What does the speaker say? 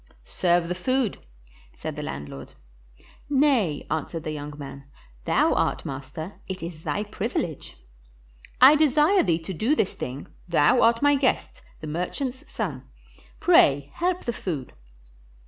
"Serve the food," said the landlord. "Nay," answered the young man; "thou art master, it is thy privilege." "I desire thee to do this thing; thou art my guest, the merchant's son; pray help the food."